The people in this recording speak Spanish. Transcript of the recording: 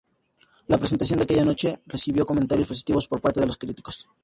La presentación de aquella noche recibió comentarios positivos por parte de los críticos.